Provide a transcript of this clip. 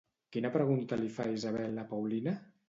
Quina pregunta li fa Isabel a Paulina?